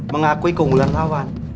mengakui keunggulan lawan